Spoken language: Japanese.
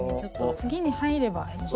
次に入れば。